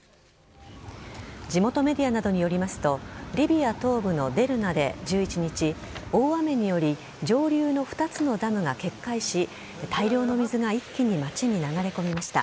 地元メディアなどによりますとリビア東部のデルナで１１日大雨により上流の２つのダムが決壊し大量の水が一気に街に流れ込みました。